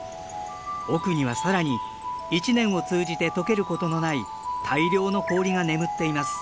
奥には更に一年を通じて解けることのない大量の氷が眠っています。